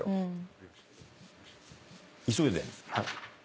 急いで。